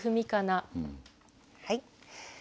はい。